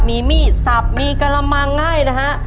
มีมี่สับมีกระลำมาง่ายนะฮะ